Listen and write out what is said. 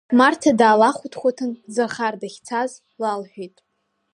Марҭа даалахәыҭхәыҭын, Захар дахьцаз лалҳәеит.